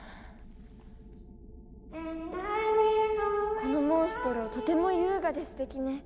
このモンストロとても優雅ですてきね。